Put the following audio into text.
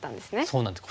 そうなんです。